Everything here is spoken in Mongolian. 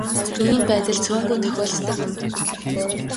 Ийм байдал цөөнгүй тохиолддог юм.